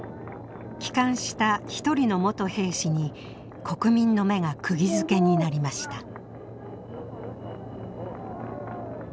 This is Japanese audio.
帰還した一人の元兵士に国民の目がくぎづけになりました。